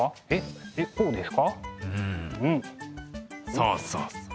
そうそうそう。